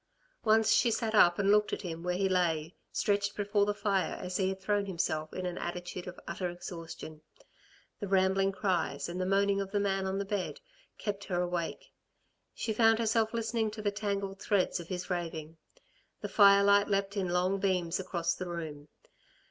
Once she sat up and looked at him where he lay stretched before the fire as he had thrown himself in an attitude of utter exhaustion. The rambling cries, and the moaning of the man on the bed, kept her awake. She found herself listening to the tangled threads of his raving. The firelight leapt in long beams across the room.